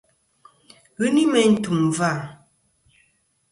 Ghɨ ni meyn tùm vâ.